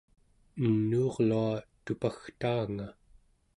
enuurlua tupagtaanga